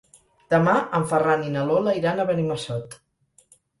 Demà en Ferran i na Lola iran a Benimassot.